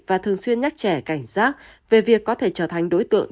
và thường xuyên nhắc trẻ cảnh giác về việc có thể trở thành đối tượng